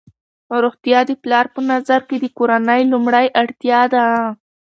روغتیا د پلار په نظر کې د کورنۍ لومړنۍ اړتیا ده.